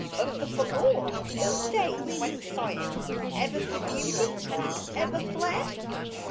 Of the forlorn Whose days went sighing Ever for Beauty That ever fled?